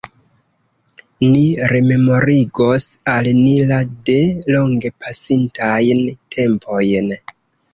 Ni rememorigos al ni la de longe pasintajn tempojn.